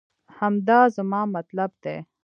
همدا زما مطلب دی